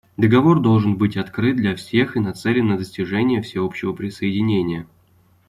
Договор должен быть открыт для всех и нацелен на достижение всеобщего присоединения.